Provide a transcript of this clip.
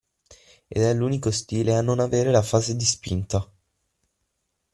Ed è l'unico stile a non avere la fase di spinta.